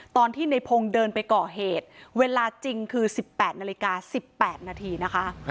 ตอนที่ในพงศ์เดินไปก่อเหตุเวลาจริงคือ๑๘นาฬิกา๑๘นาทีนะคะ